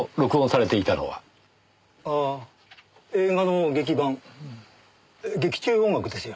ああ映画の劇伴劇中音楽ですよ。